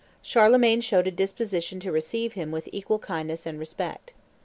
Charlemagne showed a disposition to receive him with equal kindness and respect.